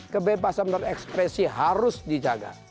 kebebasan dan ekspresi harus dijaga